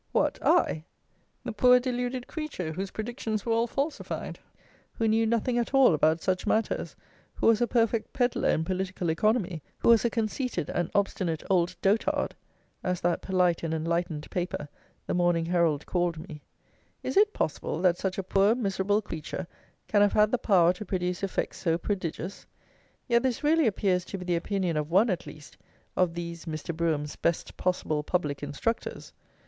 What! I! The poor deluded creature, whose predictions were all falsified, who knew nothing at all about such matters, who was a perfect pedlar in political economy, who was "a conceited and obstinate old dotard," as that polite and enlightened paper, the Morning Herald, called me: is it possible that such a poor miserable creature can have had the power to produce effects so prodigious? Yet this really appears to be the opinion of one, at least, of these Mr. Brougham's best possible public instructors.